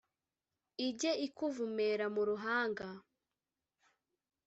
Ijye ikuvumera mu ruhanga.